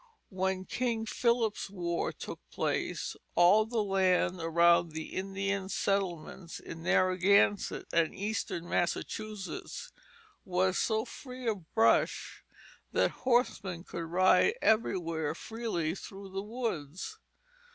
When King Philip's War took place, all the land around the Indian settlements in Narragansett and eastern Massachusetts was so free of brush that horsemen could ride everywhere freely through the woods.